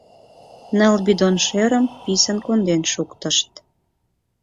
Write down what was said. Ныл бидон шӧрым писын конден шуктышт.